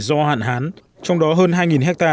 do hạn hán trong đó hơn hai hectare